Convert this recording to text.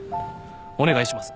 お願いします。